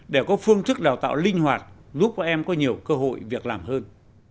để có phương thức đào tạo linh hoạt giúp các em có nhiều cơ hội việc làm hơn